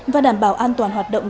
và đảm bảo an toàn hoạt động